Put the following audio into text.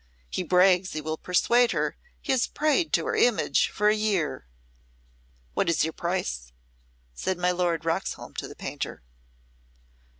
He brags he will persuade her he has prayed to her image for a year." "What is your price?" said my Lord Roxholm to the painter.